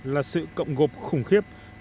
là sự cộng gộp khủng khiếp